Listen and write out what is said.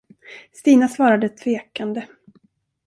Stina svarade tvekande.